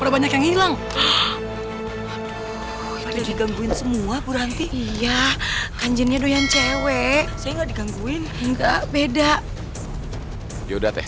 resideng berv diet kangennya doyan cewek penggabitan